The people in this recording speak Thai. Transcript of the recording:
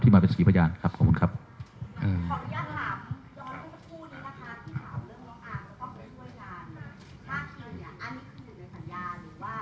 ที่มาเป็นศรีประจานครับขอบคุณครับเอ่อขออนุญาตถามยอมต้องกระทั่วนี้นะคะ